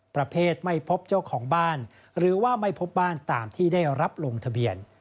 ประเภทไม่พบเจ้าของบ้านหรือว่าไม่พบบ้านตามที่ได้รับลงทะเบียน